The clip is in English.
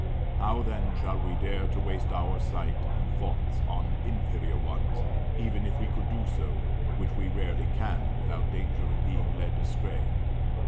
How then shall we dare to waste our sight and thoughts on inferior ones, even if we could do so, which we rarely can, without danger of being led astray?